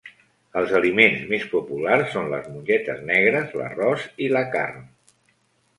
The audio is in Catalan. Els aliments més populars són les mongetes negres, l'arròs i la carn.